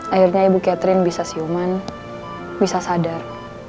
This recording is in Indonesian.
akhirnya ibu catherine bisa siuman bisa sadar